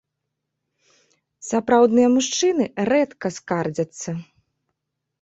Сапраўдныя мужчыны рэдка скардзяцца.